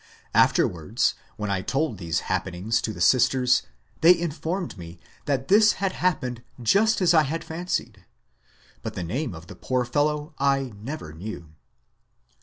Afterwards, when I told these happenings to the sisters, they informed me that this had happened just as I had fancied. But the name of the poor fellow I never knew.